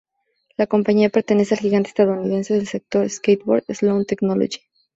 La compañía pertenece al gigante estadounidense del sector skateboard, Sole Technology.